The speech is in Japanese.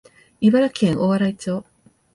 茨城県大洗町